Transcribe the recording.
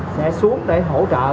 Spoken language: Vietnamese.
sẽ xuống để hỗ trợ